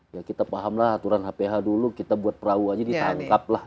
ya kita pahamlah aturan hph dulu kita buat perahu aja ditangkap lah